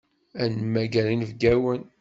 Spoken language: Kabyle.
Ad nemmager inebgawen.